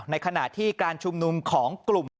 ในขณะที่การชุมนุมของกลุ่ม